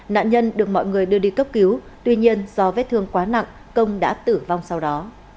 nạn nhân được mọi người đưa đi cấp cứu tuy nhiên do vết thương quá nặng công đã tử vong sau đó